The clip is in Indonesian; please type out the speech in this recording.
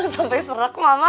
sampai serak mama